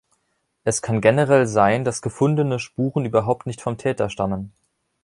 Es kann generell sein, dass gefundene Spuren überhaupt nicht vom Täter stammen.